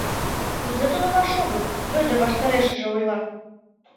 — Кузе тунемаш огыл, — Вӧдыр ваштарешыже ойла.